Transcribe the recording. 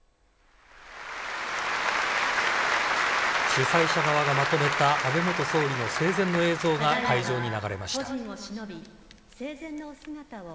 主催者側がまとめた安倍元総理の生前の映像が会場に流れました。